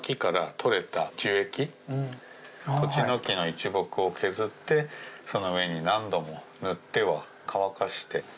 とちの木の一木を削ってその上に何度も塗っては乾かして。